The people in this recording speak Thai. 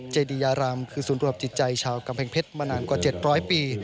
เจดียารามคือศูนย์รวมจิตใจชาวกำแพงเพชรมานานกว่า๗๐๐ปี